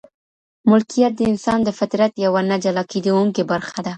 ملکیت د انسان د فطرت یوه نه جلا کېدونکې برخه ده.